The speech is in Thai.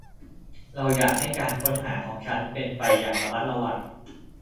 เราอยากให้การค้นหาของฉันเป็นไปอย่างระมัดระวัง